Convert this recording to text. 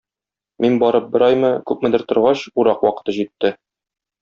Мин барып бер аймы, күпмедер торгач, урак вакыты җитте.